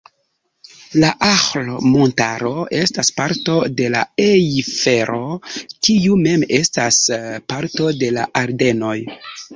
La Ahr-montaro estas parto de la Ejfelo, kiu mem estas parto de la Ardenoj.